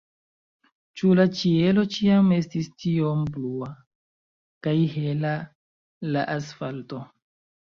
Ĉu la ĉielo ĉiam estis tiom blua, kaj hela la asfalto?